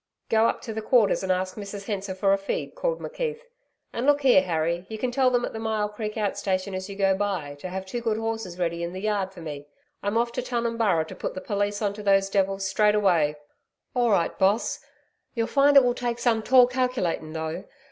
'Go up to the Quarters and ask Mrs Hensor for a feed,' called McKeith. 'And look here, Harry, you can tell them at the Myall Creek out station as you go by, to have two good horses ready in the yard for me. I'm off to Tunumburra to put the police on to those devils straight away.' 'All right, Boss. You'll find it will take some tall calculatin' though.